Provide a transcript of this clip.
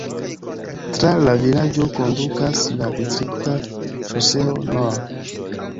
Tra la vilaĝo kondukas la distrikta ŝoseo nr.